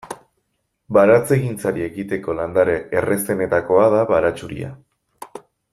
Baratzegintzari ekiteko landare errazenetakoa da baratxuria.